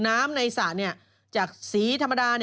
น้ำในส่าดนี้จากสีธรรมดา